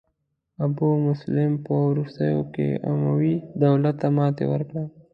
ابو مسلم په وروستیو کې اموي دولت ته ماتې ورکړه.